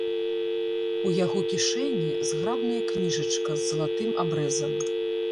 У яго кішэні зграбная кніжачка з залатым абрэзам.